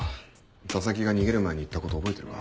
佐々木が逃げる前に言ったこと覚えてるか？